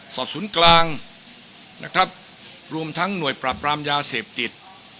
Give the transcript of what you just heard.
สอบสวนกลางรวมทั้งหน่วยปรับปรามยาเสพติด